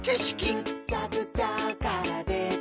「ぐっちゃぐちゃからでてきたえ」